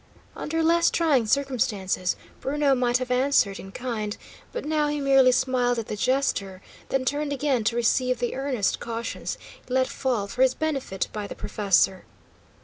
Under less trying circumstances, Bruno might have answered in kind, but now he merely smiled at the jester, then turned again to receive the earnest cautions let fall for his benefit by the professor.